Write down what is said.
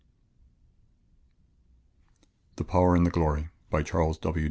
_"] The Power and the Glory _By Charles W.